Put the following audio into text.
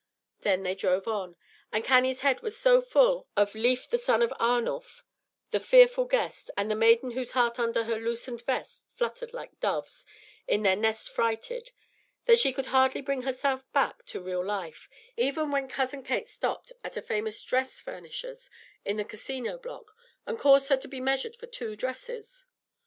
Then they drove on; and Cannie's head was so full of "Lief the son of Arnulf," the "fearful guest," and the maiden whose heart under her loosened vest fluttered like doves "in their nest frighted," that she could hardly bring herself back to real life, even when Cousin Kate stopped at a famous dress furnisher's in the Casino Block, and caused her to be measured for two dresses.